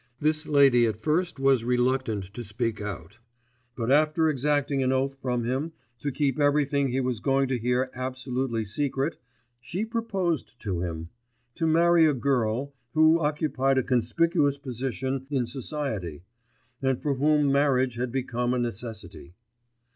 This lady at first was reluctant to speak out, but after exacting an oath from him to keep everything he was going to hear absolutely secret, she proposed to him ... to marry a girl, who occupied a conspicuous position in society, and for whom marriage had become a necessity.